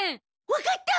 わかった！